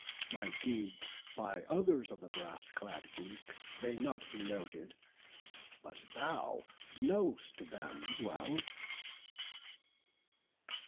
My deeds by others of the brass clad Greeks May not be noted; but thou know'st them well."